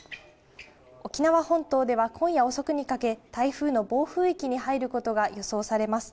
沖縄本島では今夜遅くにかけ、台風の暴風域に入ることが予想されます。